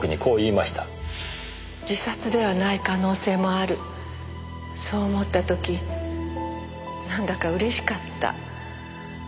自殺ではない可能性もあるそう思った時なんだかうれしかった。